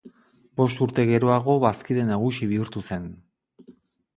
Bost urte geroago bazkide nagusi bihurtu zen.